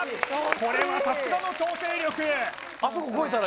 これはさすがの調整力